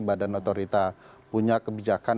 badan otorita punya kebijakan